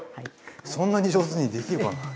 そんなに上手にできるかな。